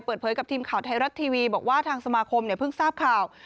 เปิดเผยกับทีมข่าวไทยรัฐทีวีบอกว่าทางสมาคมเพิ่งทราบข่าว